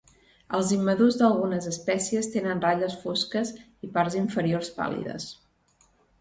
Els immadurs d'algunes espècies tenen ratlles fosques i parts inferiors pàl·lides.